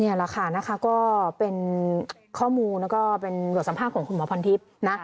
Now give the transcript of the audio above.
นี่แหละค่ะก็เป็นข้อมูลและลดสัมภาพของคุณหมอพรทิพย์